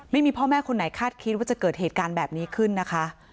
ไม่มีพ่อแม่คนไหนคาดคิดว่าจะเกิดเหตุการณ์แบบนี้ขึ้นนะคะ